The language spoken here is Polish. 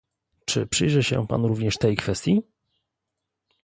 Czy przyjrzy się Pan również tej kwestii?